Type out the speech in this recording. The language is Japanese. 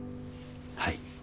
はい。